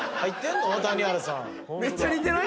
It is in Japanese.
めっちゃ似てない？